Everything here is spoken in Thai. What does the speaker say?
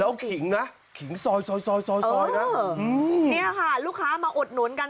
แล้วขิงน่ะขิงซอยซอยซอยซอยซอยน่ะอืมเนี่ยค่ะลูกค้ามาอดหนุนกัน